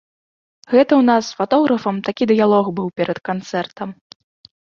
Гэта ў нас з фатографам такі дыялог быў перад канцэртам.